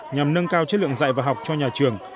nhằm nâng cao chất lượng dạy và học cho nhà trường